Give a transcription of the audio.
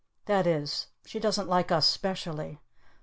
That is she doesn't like us specially.